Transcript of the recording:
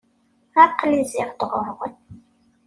Aql-i zziɣ-d ɣur-wen.